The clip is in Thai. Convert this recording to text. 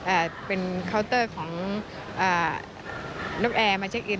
ก็เขาก็จัดให้แบ่งให้เป็นเคาน์เตอร์ของนักแอร์มาเช็คอิน